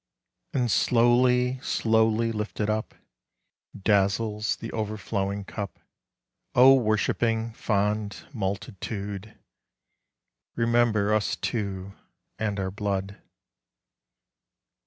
And slowly, slowly, lifted up Dazzles the overflowing cup. O worshipping, fond multitude, Remember us too, and our blood.